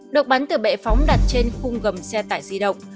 được bắn từ bệ phóng đặt trên khung gầm xe tải di động